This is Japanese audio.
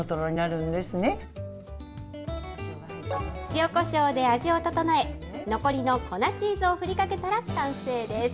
塩こしょうで味を調え、残りの粉チーズを振りかけたら完成です。